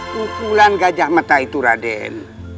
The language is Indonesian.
pukulan gajah mata itu raden